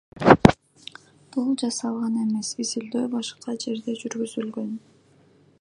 Бул жасалган эмес, изилдөө башка жерде жүргүзүлгөн.